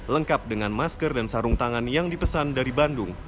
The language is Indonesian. lengkap dengan masker dan sarung tangan yang dipesan dari bandung